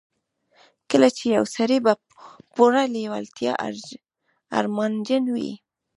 کله چې يو سړی په پوره لېوالتیا ارمانجن وي.